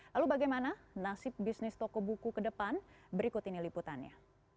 lalu bagaimana nasib bisnis toko buku ke depan berikut ini liputannya